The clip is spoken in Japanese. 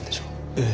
ええ。